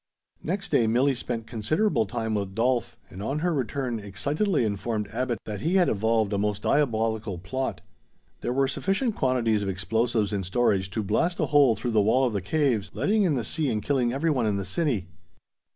Next day Milli spent considerable time with Dolf, and on her return excitedly informed Abbot that he had evolved a most diabolical plot. There were sufficient quantities of explosives in storage to blast a hole through the wall of the caves, letting in the sea and killing everyone in the city.